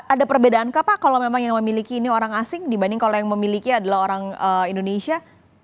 ada perbedaankah pak kalau memang yang memiliki ini orang asing dibanding kalau yang memiliki adalah orang indonesia